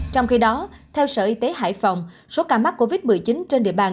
trong khi đó theo sở y tế hải phòng số ca mắc covid một mươi chín trên địa bàn